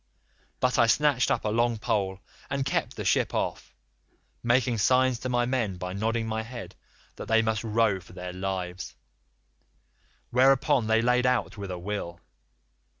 But I snatched up a long pole and kept the ship off, making signs to my men by nodding my head, that they must row for their lives, whereon they laid out with a will.